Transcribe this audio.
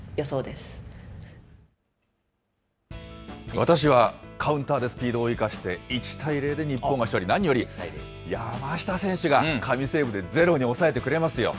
私はカウンターでスピードを生かして、１対０で日本が勝利、何より山下選手が神セーブで０に抑えてくれますよ。